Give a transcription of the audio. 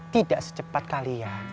tidak secepat kalian